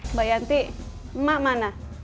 mbak yanti emak mana